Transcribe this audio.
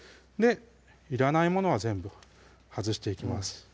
いらないものは全部外していきます